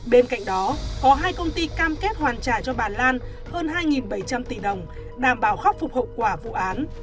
bên cạnh đó có hai công ty cam kết hoàn trả cho bà lan hơn hai bảy trăm linh tỷ đồng đảm bảo khắc phục hậu quả vụ án